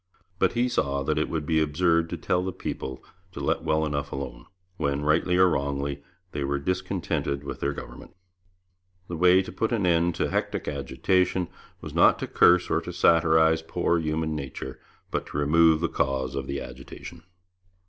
But he saw that it would be absurd to tell the people to let well enough alone, when, rightly or wrongly, they were discontented with their government. The way to put an end to hectic agitation was not to curse or to satirize poor human nature, but to remove the cause of the agitation.